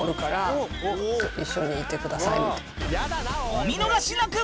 お見逃しなく！